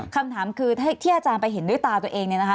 คำถามคือถ้าที่อาจารย์ไปเห็นด้วยตาตัวเอง